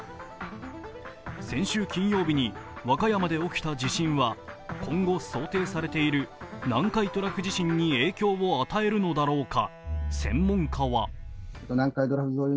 先週金曜日に和歌山で起きた地震は今後想定されている南海トラフ地震に影響を与えるのだろうか。